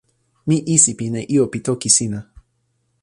mi isipin e ijo pi toki sina.